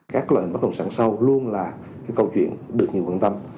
các loại hình bất động sản sau luôn là câu chuyện được nhiều quan tâm